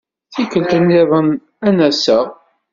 Tikkelt-nniḍen ad n-aseɣ.